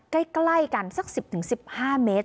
ใกล้กันสัก๑๐๑๕เมตร